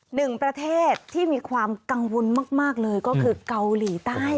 หนึ่งประเทศที่มีความกังวลมากเลยก็คือเกาหลีใต้